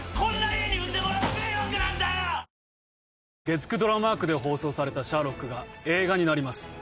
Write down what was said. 月９ドラマ枠で放送された『シャーロック』が映画になります。